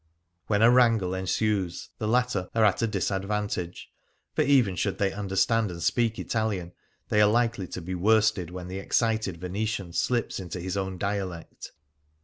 When a wrancrle ensues the latter are at a disadvantage, for even should they understand and speak Italian, they are likely to be worsted when the excited Venetian slips into his own dialect.